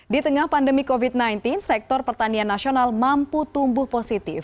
di tengah pandemi covid sembilan belas sektor pertanian nasional mampu tumbuh positif